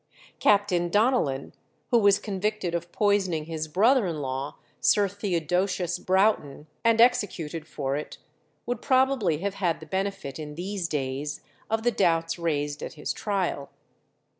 Captain Donellan, who was convicted of poisoning his brother in law, Sir Theodosius Broughton, and executed for it, would probably have had the benefit in these days of the doubts raised at his trial.